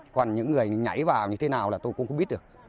còn những người nhảy vào như thế nào là tôi cũng không biết được